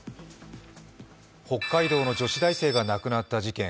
北海道の女子大生が亡くなった事件。